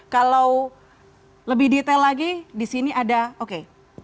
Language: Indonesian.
kalau lebih detail lagi di sini ada oke